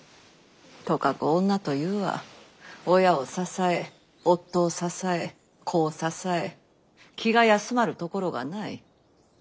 とかく女というは親を支え夫を支え子を支え気が休まるところがない。